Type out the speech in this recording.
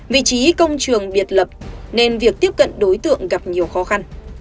vị trí công trường biệt lập nên việc tiếp cận đối tượng gặp nhiều khó khăn